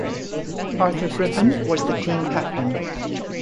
Arthur Griffen was the team captain.